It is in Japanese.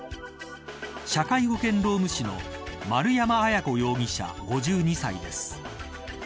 社会保険労務士の丸山文子容疑者、５２歳です。